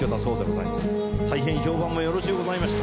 たいへん評判もよろしゅうございました。